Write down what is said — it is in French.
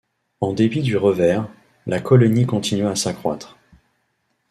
En dépit du revers, la colonie continua à s'accroître.